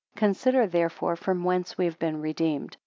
22 Consider, therefore, from whence we have been redeemed.